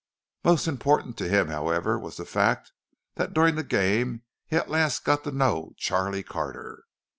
Most important to him, however, was the fact that during the game he at last got to know Charlie Carter.